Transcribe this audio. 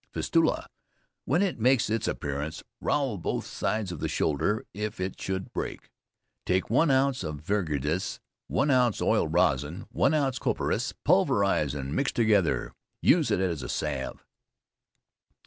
Fistula. When it makes its appearance, rowel both sides of the shoulder; if it should break, take one ounce of verdigris, 1 ounce oil rosin, 1 ounce copperas, pulverize and mix together. Use it as a salve.